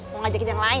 mau ngajakin yang lain